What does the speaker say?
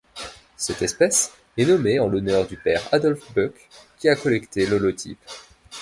Cette espèce est nommée en l'honneur du père Adolphe Buch qui a collecté l'holotype.